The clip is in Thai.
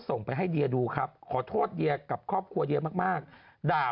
ส่งไปให้เดียดูครับขอโทษเดียกับครอบครัวเดียมากมากด่า